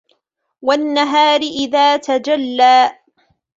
والنهار إذا تجلى